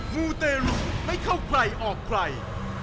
มูเตรุไม่เข้าใครออกใคร